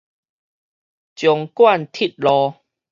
縱貫鐵路